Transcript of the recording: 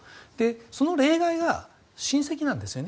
その例外が親戚なんですね。